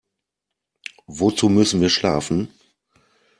Wozu müssen wir schlafen?